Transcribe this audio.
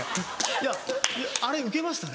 いやあれウケましたね